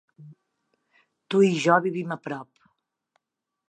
Tu i jo vivim a prop.